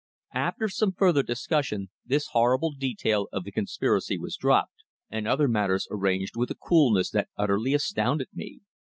After some further discussion this horrible detail of the conspiracy was dropped, and other matters arranged with a coolness that utterly astounded me.